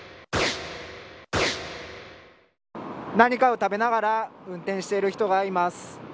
何かを食べながら運転している人がいます。